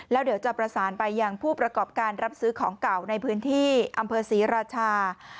แล้วเดี๋ยวจะประสานไปยังผู้ประกอบการรับซื้อของเก่าในพื้นที่อำเภอศรีราชา